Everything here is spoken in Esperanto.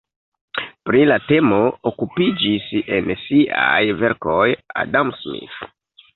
Pri la temo okupiĝis en siaj verkoj Adam Smith.